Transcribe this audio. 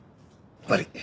悪い。